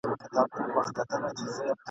د سباوون په انتظار چي ومه ..